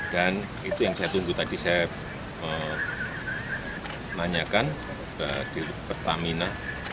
dan itu yang saya tunggu tadi saya menanyakan di pertamina